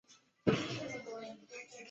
使红十字会高速率成长。